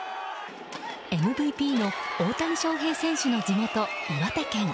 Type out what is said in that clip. ＭＶＰの大谷翔平選手の地元岩手県。